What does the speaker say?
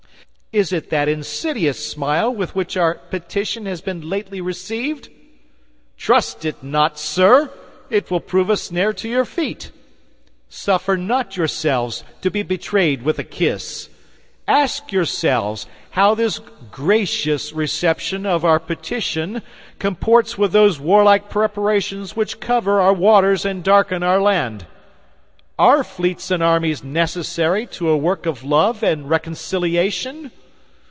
Is it that insidious smile with which our petition has been lately received? Trust it not, sir; it will prove a snare to your feet. Suffer not yourselves to be betrayed with a kiss. Ask yourselves how this gracious reception of our petition comports with those warlike preparations which cover our waters and darken our land. Are fleets and armies necessary to a work of love and reconciliation?